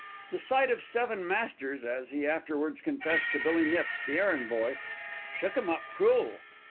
The sight of seven "masters," as he afterwards confessed to Billy Nips, the errand boy, "shook 'im up crool."